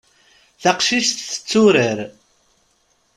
Taqcic tetturar.